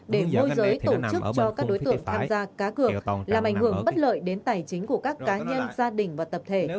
để môi giới tổ chức cho các đối tượng tham gia cá cược làm ảnh hưởng bất lợi đến tài chính của các cá nhân gia đình và tập thể